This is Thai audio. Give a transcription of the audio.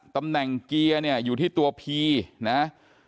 ตำแหน่งเกียร์เนี่ยอยู่ที่ตัวพีนะ